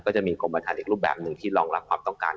จะมีกรมประธานอีกรูปแบบหนึ่งที่รองรับความต้องการ